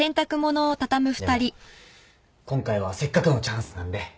でも今回はせっかくのチャンスなんで。